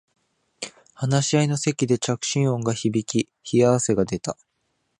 話し合いの席で着信音が響き冷や汗が出た